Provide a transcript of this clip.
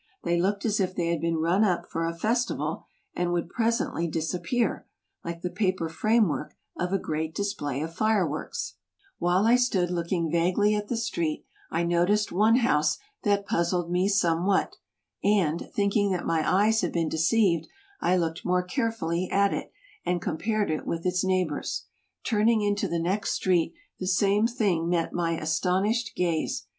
They looked as if they had been run up for a fes tival, and would presently disappear, like the paper frame work of a grand display of iice works.) j armsn ?Ji ?.3vig ,3>[vb EUROPE 199 While I stood looking vaguely at the street, I noticed one house that puzzled me somewhat; and, thinking that my eyes had been deceived, I looked more carefully at it, and compared it with its neighbors. Turning into the next street, the same thing met my astonished gaze.